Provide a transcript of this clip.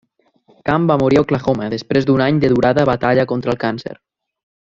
Camp va morir a Oklahoma després d'un any de durada batalla contra el càncer.